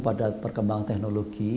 pada perkembangan teknologi